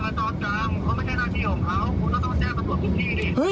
เขาไม่ใช่หน้าที่ของเขาผมก็ต้องแจ้งตำรวจทุกที